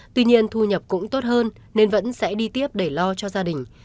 tuy nhiên thu nhập cũng tốt hơn nên vẫn sẽ đi tiếp để lo cho gia đình